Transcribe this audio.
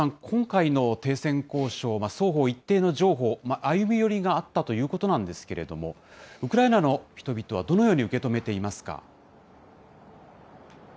今回の停戦交渉、双方一定の譲歩、歩み寄りがあったということなんですけれども、ウクライナの人々はどのように受け止めていますか？